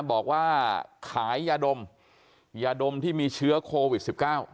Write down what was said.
บอกว่าขายยาดมยาดมที่มีเชื้อโควิด๑๙